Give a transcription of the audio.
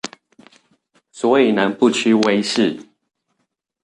所以能不屈威勢